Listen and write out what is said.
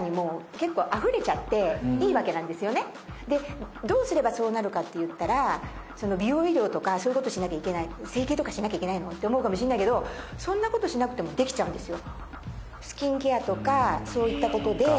でどうすればそうなるかっていったら美容医療とかそういうことしなきゃいけない整形とかしなきゃいけないの？って思うかもしんないけどそんなことしなくてもできちゃうんですよ。